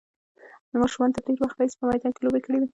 ماشومانو له ډېر وخت راهیسې په میدان کې لوبې کړې وې.